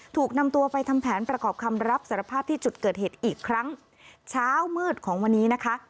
ถูกนำตัวไปทำแผนประกอบคำรับสารภาพที่จุดเกิดเหตุอีกครั้งเช้ามืดของวันนี้นะคะ